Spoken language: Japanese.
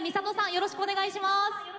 よろしくお願いします。